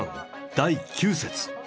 第９節。